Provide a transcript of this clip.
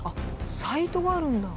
サイトがあるんだ。